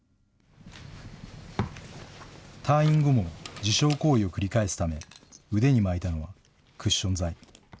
退院後も自傷行為を繰り返すため、腕に巻いたのはクッション材。